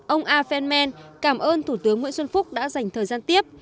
ông a phenman cảm ơn thủ tướng nguyễn xuân phúc đã dành thời gian tiếp